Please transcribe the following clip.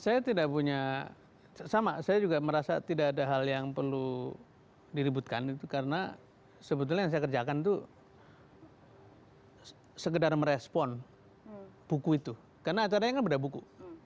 saya tidak punya sama saya juga merasa tidak ada hal yang perlu diributkan itu karena sebetulnya yang saya kerjakan itu sekedar merespon buku itu karena acaranya kan beda buku